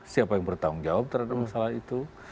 siapa yang bertanggung jawab terhadap masalah itu